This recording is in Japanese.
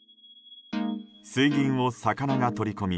水銀を魚が取り込み